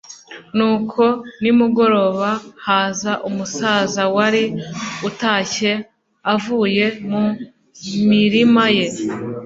nuko nimugoroba, haza umusaza wari utashye avuye mu mirima ye